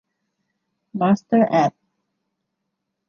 มาสเตอร์ แอด